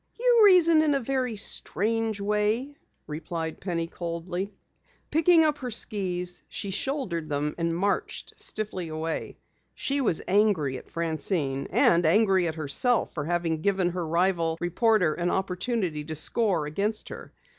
"You reason in a very strange way," replied Penny coldly. Picking up her skis she shouldered them and marched stiffly away. She was angry at Francine and angry at herself for having given the rival reporter an opportunity to score against her.